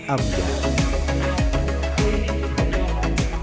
kekenyangan adonan menjadi pas tidak terlalu lengket dan juga tidak terlalu ambil